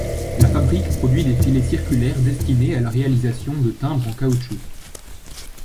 La fabrique produit des filets circulaires destinés à la réalisation de timbres en caoutchouc.